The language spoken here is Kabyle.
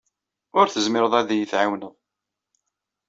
Ur tezmireḍ ad iyi-tɛawneḍ.